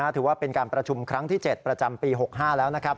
ถือว่าเป็นการประชุมครั้งที่๗ประจำปี๖๕แล้วนะครับ